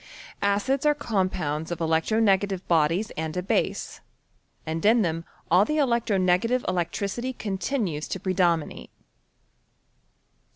Acids are compounds of electro negative bodies and a base, and in them all the electro negative electricity continues to predomi nate.